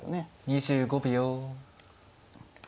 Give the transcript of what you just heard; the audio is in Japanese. ２５秒。